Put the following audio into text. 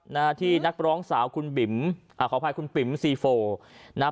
หน้าที่นักร้องสาวคุณบิ๋มอ่าขออภัยคุณปิ๋มซีโฟนะฮะ